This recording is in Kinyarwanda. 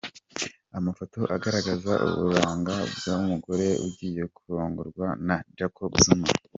amafoto agaragaza uburanga bw’ umugore ugiye kurongorwa na Jacob Zuma .